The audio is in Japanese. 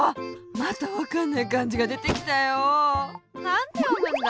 またわかんないかんじがでてきたよ。なんてよむんだ？